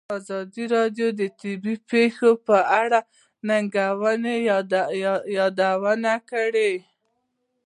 ازادي راډیو د طبیعي پېښې په اړه د ننګونو یادونه کړې.